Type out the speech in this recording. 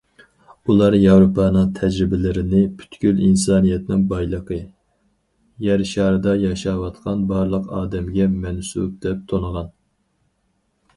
ئۇلار ياۋروپانىڭ تەجرىبىلىرىنى پۈتكۈل ئىنسانىيەتنىڭ بايلىقى، يەر شارىدا ياشاۋاتقان بارلىق ئادەمگە مەنسۇپ دەپ تونۇغان.